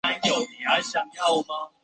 贵州财经学院财政专业毕业。